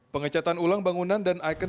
pengecatan ulang bangunan dan ikon